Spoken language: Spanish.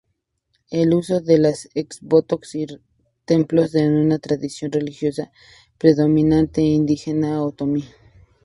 El uso de los exvotos y retablos es una tradición religiosa predominantemente indígena otomí.